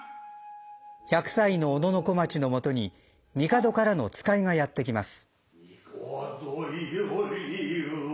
１００歳の小野小町のもとに帝からの使いがやって来ます。